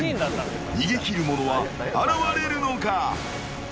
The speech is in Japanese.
逃げ切る者は現れるのか？